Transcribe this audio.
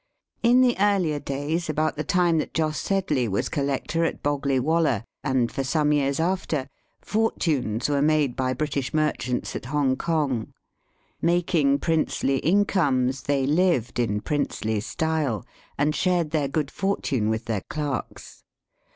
In the earlier days, about the time that Jos Sedley was collector at Boggley Wollah, and for some years after, fortunes were made by British merchants at Hongkong. '^ Making princely incomes, they lived in princely style, and shared their good fortune with their clerks.